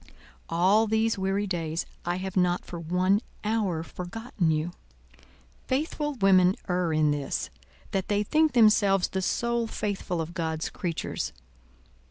"'All these weary days' I have not for one hour forgotten you. Faithful women err in this, that they think themselves the sole faithful of God's creatures.